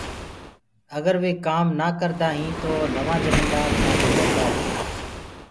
اگر وي ڪآم نآ ڪردآهيٚنٚ تو نوآ جميدآر اُنآ دي لڙدآ هينٚ۔